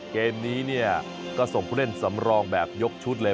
เกมนี้เนี่ยก็ส่งผู้เล่นสำรองแบบยกชุดเลย